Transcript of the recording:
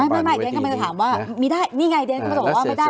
ไม่ไม่ไม่เดี๋ยวกำลังจะถามว่ามีได้นี่ไงเดี๋ยวกำลังจะถูกว่า